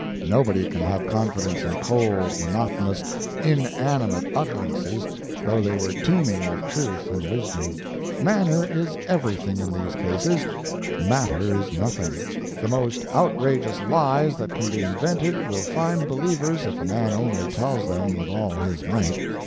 Nobody can have confidence in cold, monotonous, inanimate utterances, though they were teeming with truth and wisdom. Manner is everything in these cases—matter is nothing. The most outrageous lies that can be invented will find believers if a man only tells them with all his might.